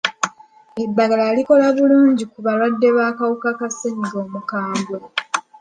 Eddagala likola bulungi ku balwadde b'akawuka ka ssenyiga omukambwe.